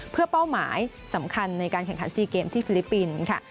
เพื่อเป้าหมายสำคัญในการแข่งขัน๔เกมที่ฟิลิปปินส์ค่ะ